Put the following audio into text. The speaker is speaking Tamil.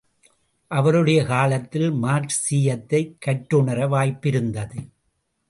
அவருடைய காலத்தில் மார்க்சீயத்தைக் கற்றுணர வாய்ப்பு இருந்தது.